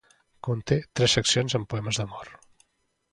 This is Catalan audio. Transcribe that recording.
Conté tres seccions amb poemes d'amor.